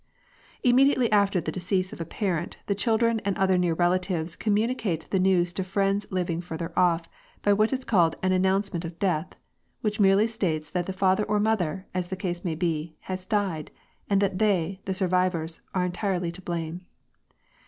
Immediately after the decease of a parent, the children and other near relatives communicate the news to friends living farther off, by what is called an '* announcement of death," which merely states that the father or mother, as the case may be, has died, and that they, the survivors, are entirely to blame.